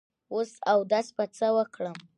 وس اودس په څۀ وکړم